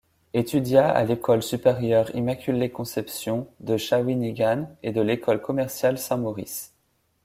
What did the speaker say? Étudia à l'École supérieure Immaculée-Conception de Shawinigan et à l'École commerciale Saint-Maurice.